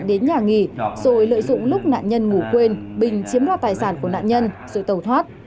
bình sẽ đến nhà nghỉ rồi lợi dụng lúc nạn nhân ngủ quên bình chiếm ra tài sản của nạn nhân rồi tàu thoát